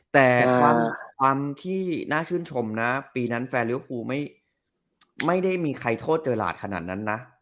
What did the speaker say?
แต่ความที่น่าชื่นชมนะปีนั้นแฟนริวภูไม่ได้มีใครโทษเจอหลาดขนาดนั้นนะ